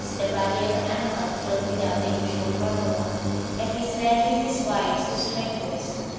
the body of an animal killed without the usual formula), and his lending his wives to strangers.